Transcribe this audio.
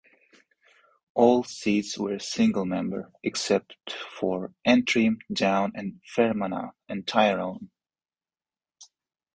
All seats were single member, except for Antrim, Down and Fermanagh and Tyrone.